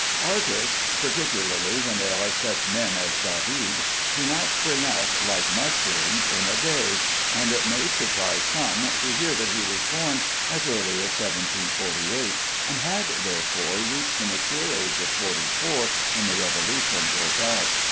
Artists (particularly when they are such men as David) do not spring up, like mushrooms, in a day, and it may surprise some to hear that he was born as early as 1748, and had therefore reached the mature age of forty four when the Revolution broke out.